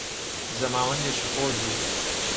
زەماوندێکی خۆش بوو